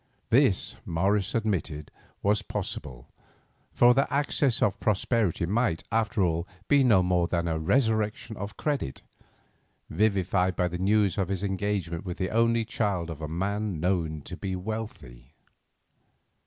This, Morris admitted, was possible, for their access of prosperity might, after all, be no more than a resurrection of credit, vivified by the news of his engagement with the only child of a man known to be wealthy.